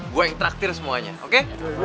gue yang traktir semuanya oke